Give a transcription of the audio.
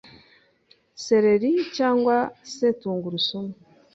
sereri cyangwa se tungurusumu